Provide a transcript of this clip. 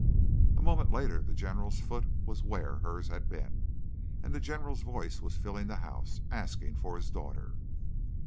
"A moment later the general's foot was where hers had been, and the general's voice was filling the house, asking for his daughter.